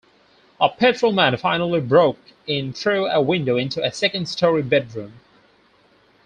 A patrolman finally broke in through a window into a second-story bedroom.